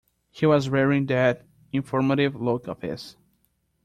He was wearing that informative look of his.